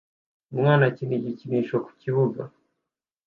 Umwana akina igikinisho ku kibuga